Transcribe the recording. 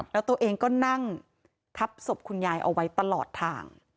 แล้วตัวเองก็นั่งทับศพคุณยายเอาไว้ตลอดทาง